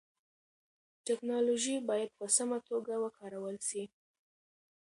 ټیکنالوژي باید په سمه توګه وکارول سي.